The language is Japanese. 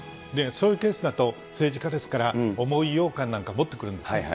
そういうケースだと、政治家ですから、重いようかんなんか持ってくるんですね。